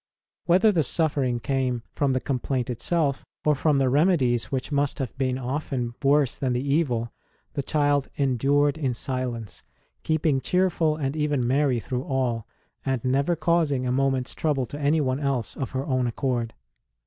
Whether the suffering came from the complaint itself, or from the remedies which must have been often worse than the evil, the child endured in silence, keeping cheerful and even merry through all, and never causing a moment s trouble to anyone else of her own accord.